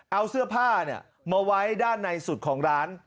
เอาเสื้อผ้ามาไว้ด้านในสุดของร้าน